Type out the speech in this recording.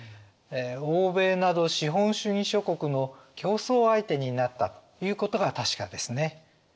欧米など資本主義諸国の競争相手になったということが確かですね。